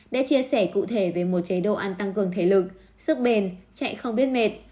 đã chia sẻ cụ thể về một chế độ ăn tăng cường thể lực sức bền chạy không biết mệt